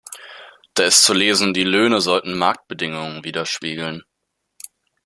Da ist zu lesen, die Löhne sollten Marktbedingungen widerspiegeln.